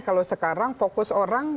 kalau sekarang fokus orang